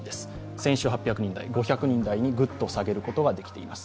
先週８００人台、５００人台にグッと下げることができています。